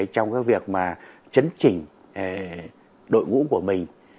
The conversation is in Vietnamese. trong cái việc mà chấn chỉnh đội ngũ của mình